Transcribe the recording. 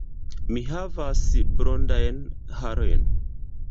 Mi havas blondajn harojn.